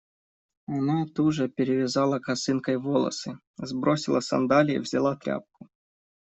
Она туже перевязала косынкой волосы. Сбросила сандалии. Взяла тряпку.